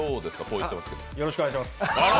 よろしくお願いします。